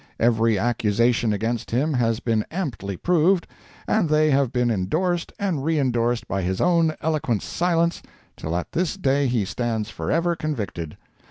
Every accusation against him has been amply proved, and they have been endorsed and re endorsed by his own eloquent silence till at this day he stands forever convicted.